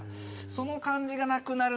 その感じがなくなる。